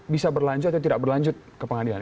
bisa berlanjut atau tidak berlanjut ke pengadilan